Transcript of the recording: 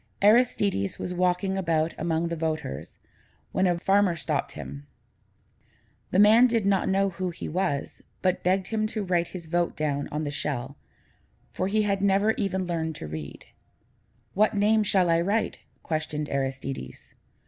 Aristides was walking about among the voters, when a farmer stopped him. The man did not know who he was, but begged him to write his vote down on the shell, for he had never even learned to read. "What name shall I write?" questioned Aristides.